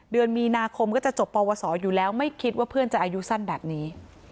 เดือนมีนาคมก็จะจบปวสออยู่แล้วไม่คิดว่าเพื่อนจะอายุสั้นแบบนี้